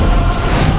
aku akan menang